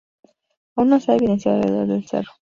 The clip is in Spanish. Aunque no se ha evidenciado alrededor del cerro.